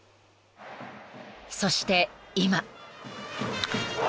［そして今］